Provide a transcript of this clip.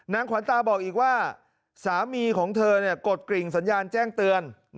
ขวัญตาบอกอีกว่าสามีของเธอกดกริ่งสัญญาณแจ้งเตือน